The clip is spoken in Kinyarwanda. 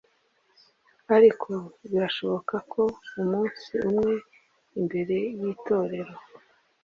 Ariko birashoboka ko umunsi umwe imbere y'Itorero